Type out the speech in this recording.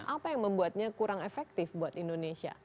apa yang membuatnya kurang efektif buat indonesia